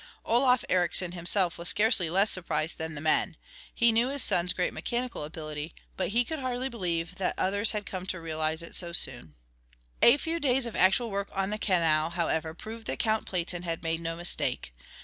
Olof Ericsson himself was scarcely less surprised than the men; he knew his son's great mechanical ability, but he could hardly believe that others had come to realize it so soon. A few days of actual work on the canal, however proved that Count Platen had made no mistake.